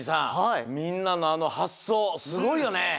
みんなのあのはっそうすごいよね。